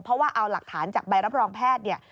เพราะว่าเอาหลักฐานจากใบรับรองแพทย์เนี่ย